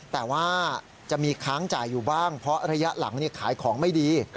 แต่ว่าจะมีค้างจ่ายอยู่บ้างเพราะระยะหลังขายของไม่ดี